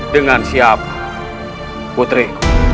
dengan siapa putriku